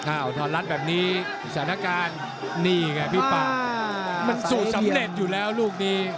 ทรรัฐแบบนี้สถานการณ์นี่ไงพี่ป่ามันสูตรสำเร็จอยู่แล้วลูกนี้